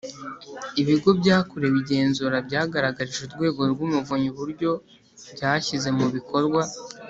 Ibigo byakorewe igenzura byagaragarije Urwego rw Umuvunyi uburyo byashyize mu bikorwa